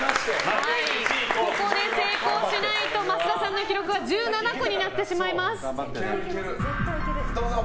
ここで成功しないと増田さんの記録は１７個になってしまいます。